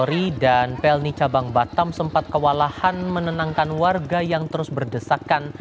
polri dan pelni cabang batam sempat kewalahan menenangkan warga yang terus berdesakan